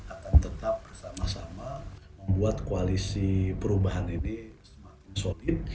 akan tetap bersama sama membuat koalisi perubahan ini semakin solid